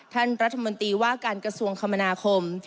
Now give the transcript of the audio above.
ท่านรัฐมนตรีว่าการกระทรวงคมนาคม